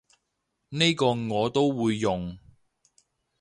呢個我都會用